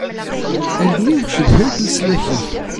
Allen-iw cedhant leslak-ik.